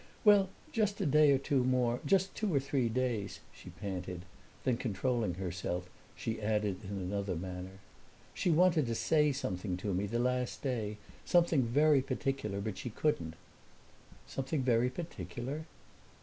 "Well, just a day or two more just two or three days," she panted. Then controlling herself, she added in another manner, "She wanted to say something to me the last day something very particular, but she couldn't." "Something very particular?"